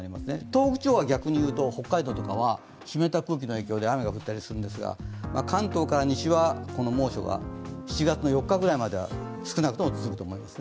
東北地方は逆にいうと、北海道とかは湿った空気の影響で雨が降ったりするんですが関東から西はこの猛暑が７月４日ぐらいまでは少なくとも続くと思います。